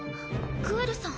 グエルさん。